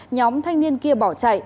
nhóm thanh niên kia bỏ chạy